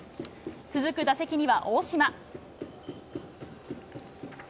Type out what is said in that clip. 続く打席には大島。